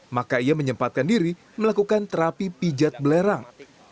maka ia menyempatkan diri melakukan terapi pijat belerang